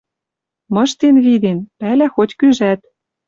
Мыштен виден, пӓла хоть-кӱжӓт.